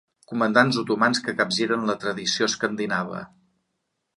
Comandants otomans que capgiren la tradició escandinava.